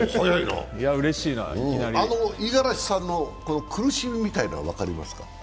五十嵐さんの苦しみみたいの分かりますか？